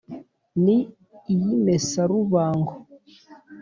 ni iy’ imesarubango :